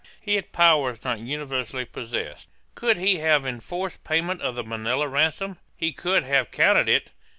He had powers not universally possessed: could he have enforced payment of the Manilla ransom, he could have counted it.'